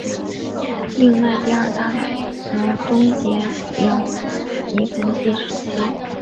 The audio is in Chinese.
另外第二大的则终结了泥盆纪时期。